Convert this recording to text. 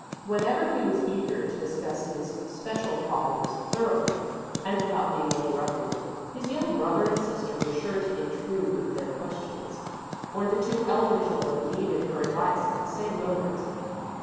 Whenever he was eager to discuss his special problems thoroughly and without being interrupted, his young brother and sister were sure to intrude with their questions, or the two elder children needed her advice at the same moment.